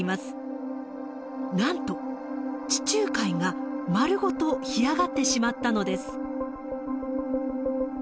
なんと地中海が丸ごと干上がってしまったのです。